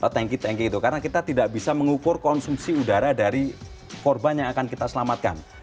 tanki tanki itu karena kita tidak bisa mengukur konsumsi udara dari korban yang akan kita selamatkan